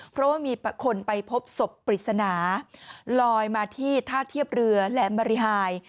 เพราะว่ามีคนไปพบศพปริศนาลอยมาที่ท่าเทียบเรือและบริหาย